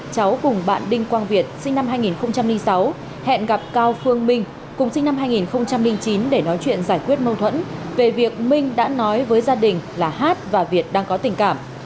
cháu cùng bạn đinh quang việt sinh năm hai nghìn sáu hẹn gặp cao phương minh cùng sinh năm hai nghìn chín để nói chuyện giải quyết mâu thuẫn về việc minh đã nói với gia đình là hát và việt đang có tình cảm